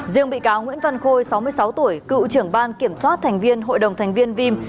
riêng bị cáo nguyễn văn khôi sáu mươi sáu tuổi cựu trưởng ban kiểm soát thành viên hội đồng thành viên vim